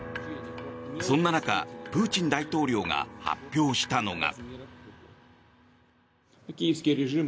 そんな中、プーチン大統領が発表したのが。